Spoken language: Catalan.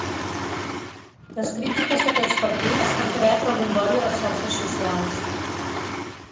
Les crítiques d’aquests partits han creat rebombori a les xarxes socials.